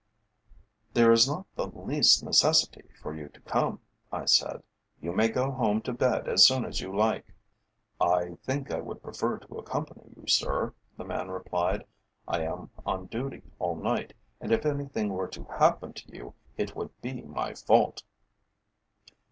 "There is not the least necessity for you to come," I said. "You may go home to bed as soon as you like." "I think I would prefer to accompany you, sir," the man replied. "I am on duty all night, and if anything were to happen to you, it would be my fault."